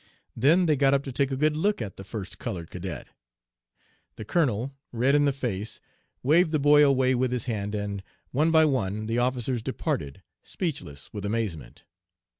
Then they got up to take a good look at, the first colored cadet. The colonel, red in the face, waved the boy away with his hand, and, one by one, the officers departed, speechless with amazement.